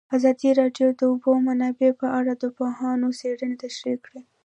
ازادي راډیو د د اوبو منابع په اړه د پوهانو څېړنې تشریح کړې.